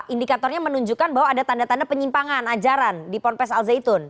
indikatornya menunjukkan bahwa ada tanda tanda penyimpangan ajaran di ponpes al zaitun